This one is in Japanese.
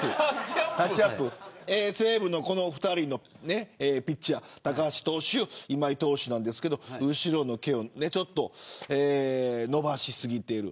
西武のこの２人のピッチャー高橋投手、今井投手ですが後ろの毛を伸ばしすぎている。